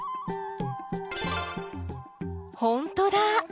ほんとだ！